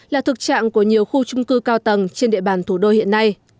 là thực trạng của nhiều khu trung cư cao tầng trên địa bàn thủ đô hiện nay